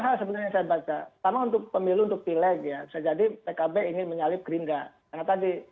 hal yang saya baca sama untuk pemilu untuk pilih ya sejadi pkb ini menyalip gerinda karena tadi